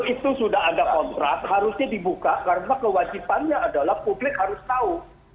kalau itu sudah ada contract harusnya dibuka karena kewajipannya adalah publik harus tahu